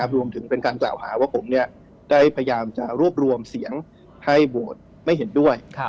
เป็นการกล่าวหาว่าผมได้พยายามจะรวบรวมเสียงให้โหวตไม่เห็นด้วย